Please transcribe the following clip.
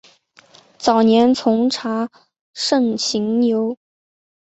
早年从查慎行游。